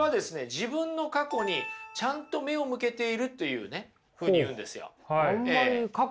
自分の過去にちゃんと目を向けているというふうに言うんですよ。